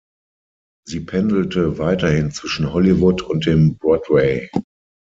Sie pendelte weiterhin zwischen Hollywood und dem Broadway.